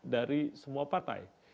dari semua partai